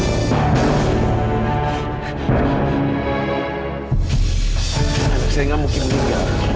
ada saya ya sangat menginginkan